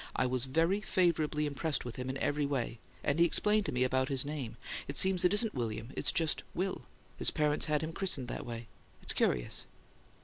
I was very favourably impressed with him in every way; and he explained to me about his name; it seems it isn't William, it's just 'Will'; his parents had him christened that way. It's curious."